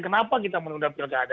kenapa kita menunda pilkada